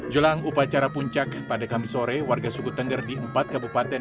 jelang upacara puncak pada kamis sore warga suku tengger di empat kabupaten